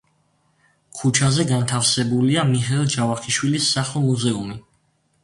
ქუჩაზე განთავსებულია მიხეილ ჯავახიშვილის სახლ-მუზეუმი.